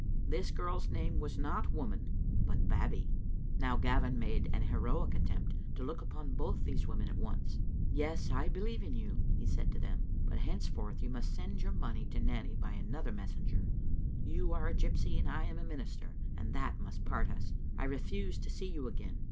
This girl's name was not Woman, but Babbie. Now Gavin made an heroic attempt to look upon both these women at once. " Yes, I believe in you," he said to them, " but henceforth you must send your money to Digitized by VjOOQ IC Continued Atobebavfour. 145 Nanny by another messenger. You are a gypsy and I am a minister; and that must part us. I refuse to see you again.